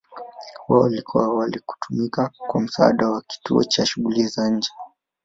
Wao walikuwa awali kutumika kwa msaada wa kituo cha shughuli za nje.